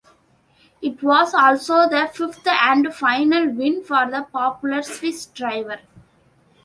It was also the fifth and final win for the popular Swiss driver.